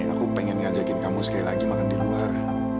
aku pengen ngajakin kamu sekali lagi makan di luar